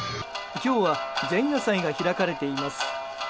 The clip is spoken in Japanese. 今日は前夜祭が開かれています。